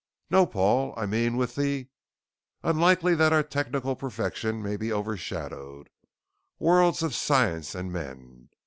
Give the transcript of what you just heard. No, Paul, I mean with the_ unlikely that our technical perfection may be overshadowed _worlds of science and men.